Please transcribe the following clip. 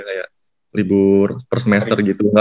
kayak libur per semester gitu